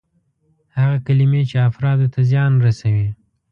هغه کلمې چې افرادو ته زیان رسوي.